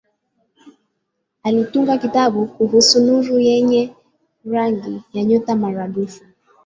Alitunga kitabu kuhusu nuru yenye rangi ya nyota maradufu.